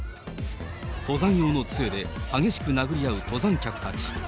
登山用のつえで、激しく殴り合う登山客たち。